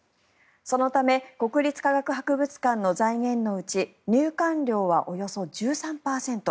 そのため、国立科学博物館の財源のうち入館料はおよそ１３％。